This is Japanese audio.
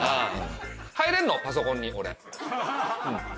入れんのパソコンに俺うん。